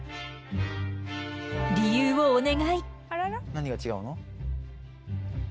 理由をお願い。